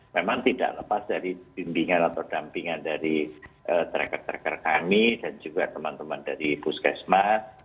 memang tidak lepas dari bimbingan atau dampingan dari tracker tracker kami dan juga teman teman dari puskesmas